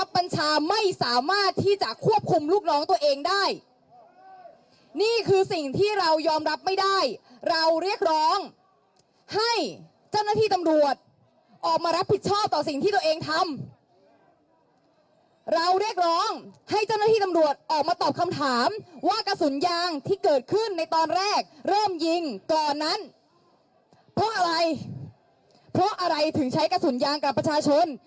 เพราะอะไรเพราะอะไรถึงใช้กระสุนยางกับประชาชนที่ต่อสู้เพียงมือเปล่า